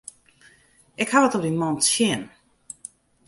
Ik haw wat op dy man tsjin.